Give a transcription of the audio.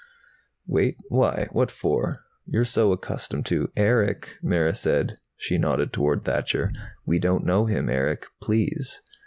"Wait? Why? What for? You're so accustomed to " "Erick," Mara said. She nodded toward Thacher. "We don't know him, Erick. Please!"